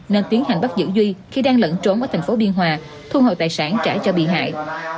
nên tiến hành bắt giữ duy khi đang lẫn trốn ở thành phố biên hòa thu hồi tài sản trả cho bị hại